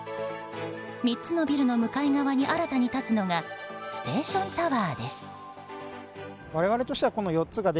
３つのビルの向かい側に新たに建つのがステーションタワーです。